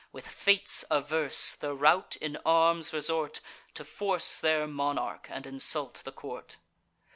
With fates averse, the rout in arms resort, To force their monarch, and insult the court.